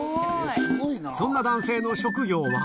そんな男性の職業は。